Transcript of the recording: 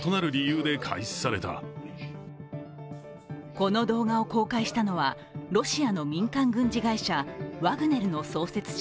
この動画を公開したのは、ロシアの民間軍事会社ワグネルの創設者